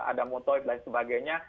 ada motor dan sebagainya